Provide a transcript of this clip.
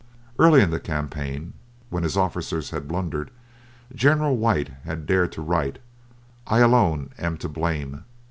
Early in the campaign, when his officers had blundered, General White had dared to write: "I alone am to blame."